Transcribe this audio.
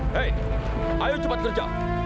hei ayo cepat kerja